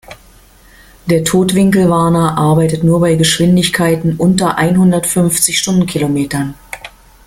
Der Totwinkelwarner arbeitet nur bei Geschwindigkeiten unter einhundertfünfzig Stundenkilometern.